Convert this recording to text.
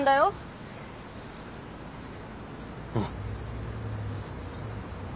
うん。